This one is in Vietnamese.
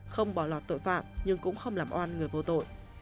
không bỏ lọt tội phạm nhưng cũng không làm oan người vô tội